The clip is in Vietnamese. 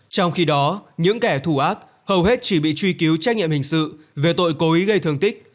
trong khi đó những kẻ thù ác hầu hết chỉ bị truy cứu trách nhiệm hình sự về tội cố ý gây thương tích